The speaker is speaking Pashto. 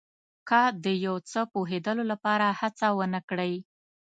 که د یو څه پوهېدلو لپاره هڅه ونه کړئ.